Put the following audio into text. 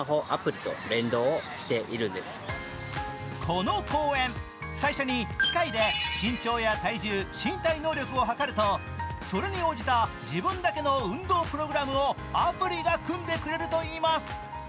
この公園、最初に機械で身長や体重身体能力をはかるとそれに応じた、自分だけの運動プログラムをアプリが組んでくれるといいます。